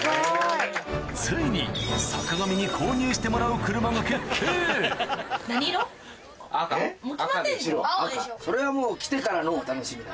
ついに坂上に購入してもらうそれはもう来てからのお楽しみだ。